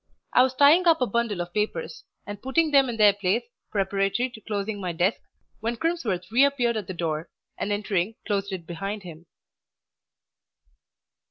I was tying up a bundle of papers, and putting them in their place, preparatory to closing my desk, when Crimsworth reappeared at the door, and entering closed it behind him.